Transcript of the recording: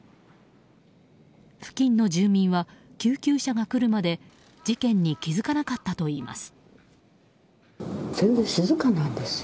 付近の住民は救急車が来るまで事件に気付かなかったといいます。